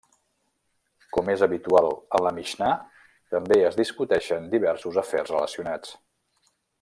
Com és habitual a la Mixnà, també es discuteixen diversos afers relacionats.